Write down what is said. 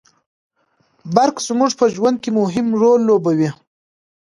برق زموږ په ژوند کي مهم رول لوبوي